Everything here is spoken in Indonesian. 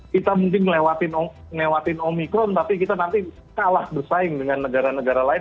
kita mungkin melewati omikron tapi kita nanti kalah bersaing dengan negara negara lain